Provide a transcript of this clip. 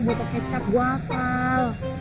buat kecap gue akal